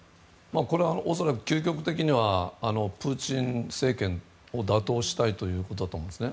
これは恐らく究極的にはプーチン政権を打倒したいということですね。